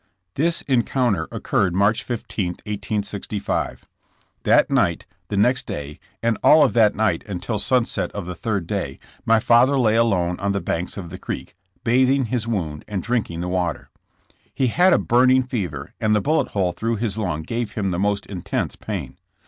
This encounter occurred March 15, 1865. That night, the next day and all of that night and till sun set of the third day, my father lay alone on the banks of the creek, bathing his wound and drinking the water. He had a burning fever, and the bullet hole through his lung gave him the most intense pain.